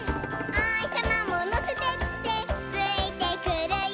「おひさまものせてってついてくるよ」